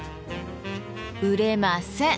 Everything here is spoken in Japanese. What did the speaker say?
売れません。